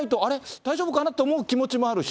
大丈夫かなってちょっとぐらい思う気持ちもあるし。